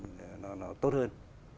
nó tốt hơn